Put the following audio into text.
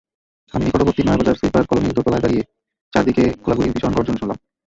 আমি নিকটবর্তী নয়াবাজার সুইপার কলোনির দোতলায় দাঁড়িয়ে চারদিকে গোলাগুলির ভীষণ গর্জন শুনলাম।